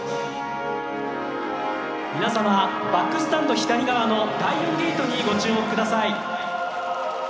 皆様、バックスタンド左側の第４ゲートにご注目ください。